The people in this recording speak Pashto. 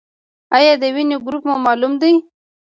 ایا د وینې ګروپ مو معلوم دی؟